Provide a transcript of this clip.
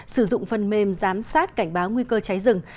sử dụng phần mềm giám sát cảnh báo nguy cơ cháy rừng